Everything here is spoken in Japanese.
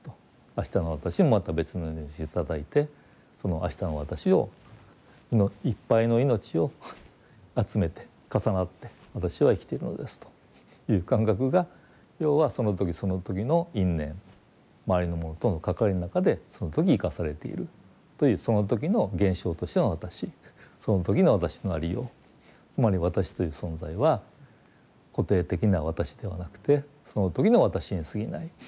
明日の私もまた別の命を頂いてその明日の私をいっぱいの命を集めて重なって私は生きているのですという感覚が要はその時その時の因縁周りのものとの関わりの中でその時生かされているというその時の現象としての私その時の私のありようつまり私という存在は固定的な私ではなくてその時の私にすぎない。